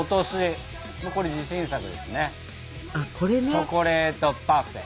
チョコレートパフェ。